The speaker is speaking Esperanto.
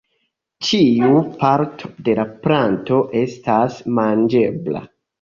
Ĉiu parto de la planto esta manĝebla.